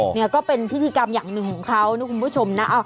เนี่ยก็เป็นพิธีกรรมอย่างหนึ่งของเขานะคุณผู้ชมนะ